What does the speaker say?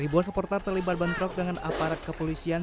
ribuan supporter terlibat bentrok dengan aparat kepolisian